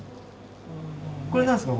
これ何ですか？